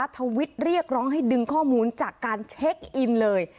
ทวิตเรียกร้องให้ดึงข้อมูลจากการเช็คอินเลย